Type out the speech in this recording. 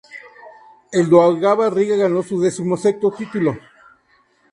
El Daugava Riga ganó su decimosexto título.